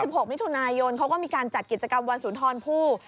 หกมิถุนายนเขาก็มีการจัดกิจกรรมวันสุนทรผู้